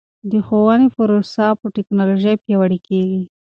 د ښوونې پروسه په ټکنالوژۍ پیاوړې کیږي.